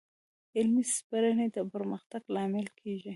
علمي سپړنې د پرمختګ لامل کېږي.